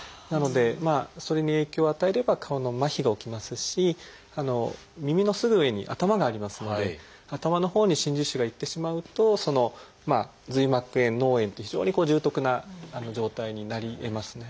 なのでそれに影響を与えれば顔の麻痺が起きますし耳のすぐ上に頭がありますので頭のほうに真珠腫が行ってしまうと髄膜炎脳炎っていう非常に重篤な状態になりえますね。